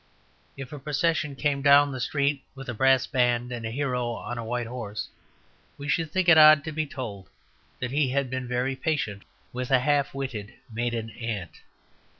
If a procession came down the street with a brass band and a hero on a white horse, we should think it odd to be told that he had been very patient with a half witted maiden aunt.